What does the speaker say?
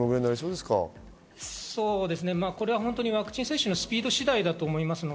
これは本当にワクチン接種のスピード次第だと思います。